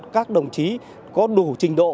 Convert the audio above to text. các đồng chí có đủ trình độ